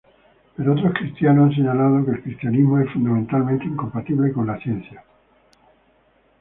Pero otros cristianos han señalado que el cristianismo es fundamentalmente incompatible con la ciencia.